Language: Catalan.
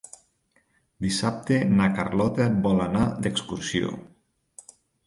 Dissabte na Carlota vol anar d'excursió.